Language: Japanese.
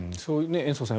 延増さん